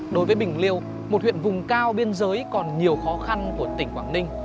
đối với bình liêu một huyện vùng cao biên giới còn nhiều khó khăn của tỉnh quảng ninh